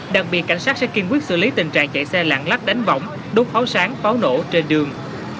đặc biệt cảnh sát sẽ kiên quyết xử lý tình trạng chạy xe lạng lách đánh võng đốt pháo sáng pháo nổ trên đường